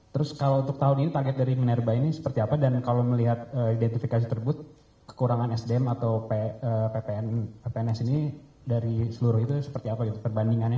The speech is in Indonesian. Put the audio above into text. terus kalau untuk tahun ini target dari minerba ini seperti apa dan kalau melihat identifikasi tersebut kekurangan sdm atau ppns ini dari seluruh itu seperti apa gitu perbandingannya